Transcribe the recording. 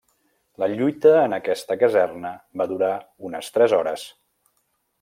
La lluita en aquesta caserna va durar unes tres hores.